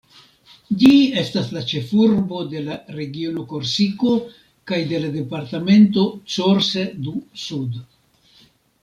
Ĝi estas la ĉefurbo de la regiono Korsiko kaj de la departemento Corse-du-Sud.